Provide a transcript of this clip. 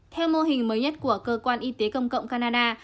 theo mô hình mới nhất của cơ quan y tế công cộng canada